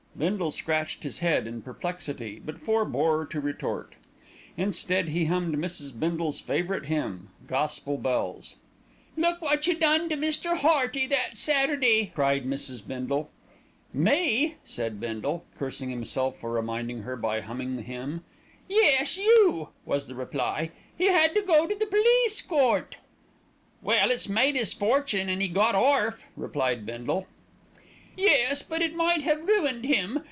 Bindle scratched his head in perplexity, but forbore to retort; instead he hummed Mrs. Bindle's favourite hymn "Gospel Bells." "Look what you done to Mr. Hearty, that Saturday," cried Mrs. Bindle. "Me!" said Bindle, cursing himself for reminding her by humming the hymn. "Yes, you!" was the reply. "He had to go to the police court." "Well, it's made 'is fortune, an' 'e got orf," replied Bindle. "Yes, but it might have ruined him.